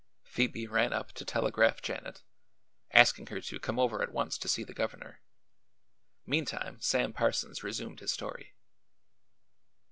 Phoebe ran up to telegraph Janet, asking her to come over at once to see the governor. Meantime Sam Parsons resumed his story.